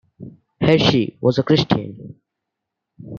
Hershey was a Christian.